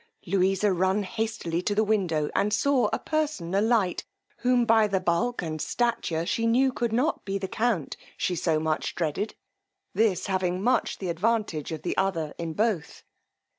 Louisa run hastily to the window and saw a person alight, whom, by the bulk and stature, she knew could not be the count she so much dreaded, this having much the advantage of the other in both.